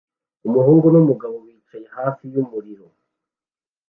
Umuhungu numugabo bicaye hafi yumuriro